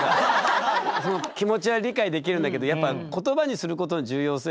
その気持ちは理解できるんだけどやっぱことばにすることの重要性が。